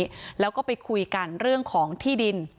แล้วก็ไปคุยกันเรื่องของที่ดิน